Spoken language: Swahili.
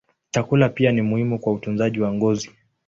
Chakula pia ni muhimu kwa utunzaji wa ngozi.